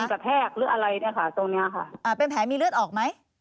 กระแทกหรืออะไรเนี่ยค่ะตรงเนี้ยค่ะอ่าเป็นแผลมีเลือดออกไหม